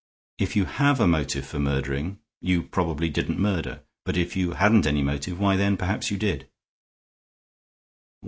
If you have a motive for murdering, you probably didn't murder. But if you hadn't any motive, why, then perhaps, you did."